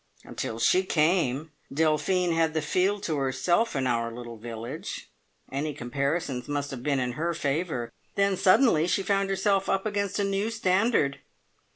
"Until She came, Delphine had the field to herself in our little village. Any comparisons must have been in her favour. Then suddenly she found herself up against a new standard.